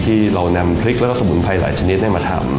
ที่เรานำพริกแล้วก็สมุนไพรหลายชนิดให้มาทำ